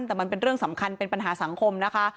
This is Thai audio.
แต่มันเป็นเรื่องสำคัญเป็นปัญหาสังคมนะคะ